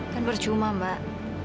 kan berjuma mbak